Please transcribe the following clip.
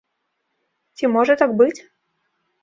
Ці можа так быць?